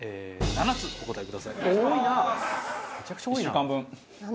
７つお答えください。